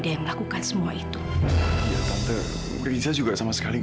kalau kita berurusan